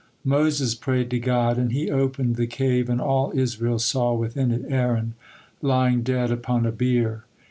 Moses prayed to God, and He opened the cave and all Israel saw within it Aaron, lying dead upon a bier.